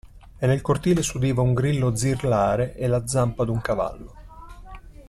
E nel cortile s'udiva un grillo zirlare e la zampa d'un cavallo.